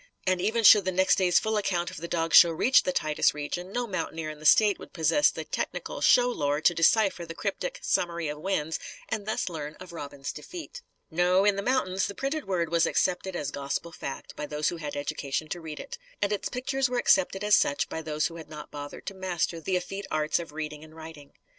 And, even should the next day's full account of the dog show reach the Titus region, no mountaineer in the State would possess the technical show lore to decipher the cryptic "summary of wins" and thus learn of Robin's defeat. No: in the mountains, the printed word was accepted as gospel fact by those who had education to read it. And its pictures were accepted as such by those who had not bothered to master the effete arts of reading and writing.